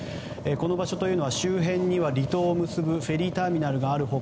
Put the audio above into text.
この場所というのは周辺には離島を結ぶフェリーターミナルがある他